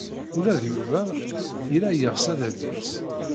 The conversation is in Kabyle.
Ula d Yuba yella yeɣs ad d-yas.